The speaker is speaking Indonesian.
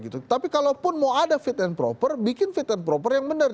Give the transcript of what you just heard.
tapi kalaupun mau ada fit and proper bikin fit and proper yang benar